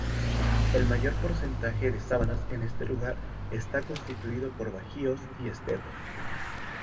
El mayor porcentaje de sabanas en este lugar está constituido por bajíos y esteros.